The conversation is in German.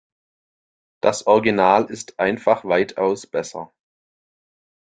Das Original ist einfach weitaus besser.